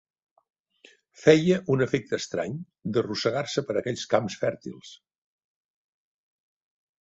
Feia un efecte estrany d'arrossegar-se per aquells camps fèrtils